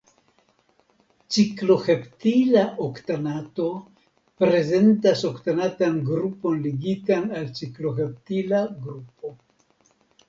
Cikloheptila oktanato prezentas oktanatan grupon ligitan al cikloheptila grupo.